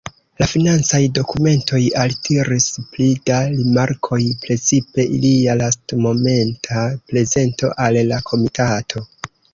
La financaj dokumentoj altiris pli da rimarkoj, precipe ilia lastmomenta prezento al la komitato.